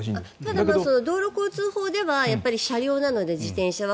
ただ、道路交通法では車両なので自転車は。